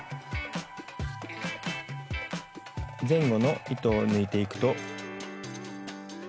前後の糸を抜いていくと。